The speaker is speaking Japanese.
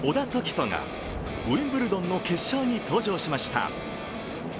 人がウィンブルドンの決勝に登場しました。